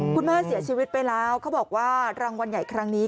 คุณแม่เสียชีวิตไปแล้วเขาบอกว่ารางวัลใหญ่ครั้งนี้